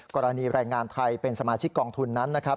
กรณีแรงงานไทยเป็นสมาชิกกองทุนนั้นนะครับ